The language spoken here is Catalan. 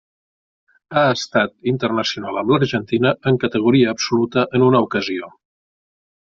Ha estat internacional amb l'Argentina en categoria absoluta en una ocasió.